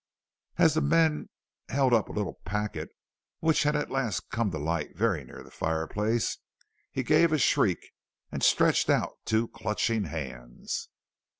As the men held up a little packet which had at last come to light very near the fireplace, he gave a shriek and stretched out two clutching hands.